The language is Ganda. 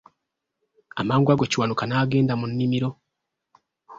Amangu ago Kiwanuka n'agenda mu nnimiro.